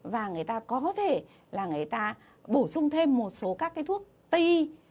và người ta có thể là người ta bổ sung thêm một số các cái thuốc tây y